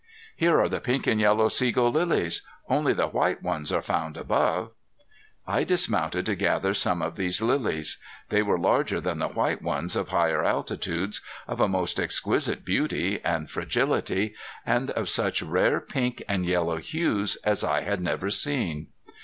"Here are the pink and yellow sego lilies. Only the white ones are found above." I dismounted to gather some of these lilies. They were larger than the white ones of higher altitudes, of a most exquisite beauty and fragility, and of such rare pink and yellow hues as I had never seen.